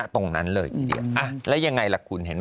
ตรงนั้นเลยแล้วยังไงล่ะคุณเห็นไหม